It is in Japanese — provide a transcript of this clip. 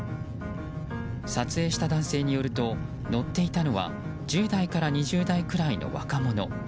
撮影した男性によると乗っていたのは１０代から２０代くらいの若者。